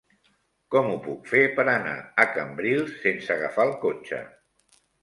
Com ho puc fer per anar a Cambrils sense agafar el cotxe?